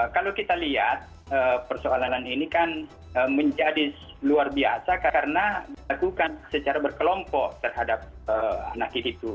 kalau kita lihat persoalan ini kan menjadi luar biasa karena dilakukan secara berkelompok terhadap anak itu